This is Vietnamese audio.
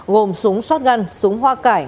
gồm súng shotgun súng hoa cải